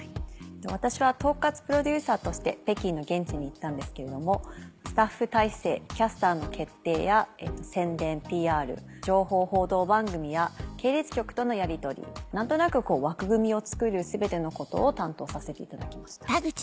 私は統括プロデューサーとして北京の現地に行ったんですけどスタッフ体制キャスターの決定や宣伝ＰＲ情報・報道番組や系列局とのやりとり何となくこう枠組みをつくる全てのことを担当させていただきました。